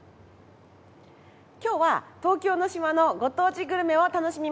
今日は東京の島のご当地グルメを楽しみます。